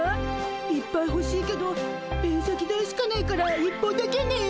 いっぱいほしいけどペン先代しかないから１本だけね。